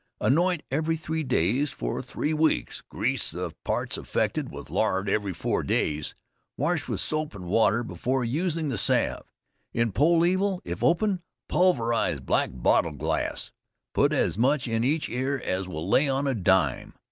Anoint every three days for three weeks; grease the parts affected with lard every four days. Wash with soap and water before using the salve. In poll evil, if open, pulverize black bottle glass, put as much in each ear as will lay on a dime.